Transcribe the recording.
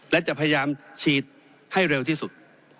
และจะพยายามฉีดให้เร็วที่สุด